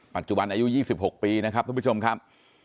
ปัจจุบันอายุ๒๖ปีนะครับทุกผู้ชมครับ